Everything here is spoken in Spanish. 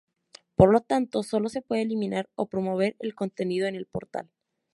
Por lo tanto, sólo se puede eliminar o promover el contenido en el portal.